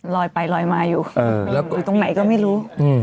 ลอยไปลอยมาอยู่ตรงไหนก็ไม่รู้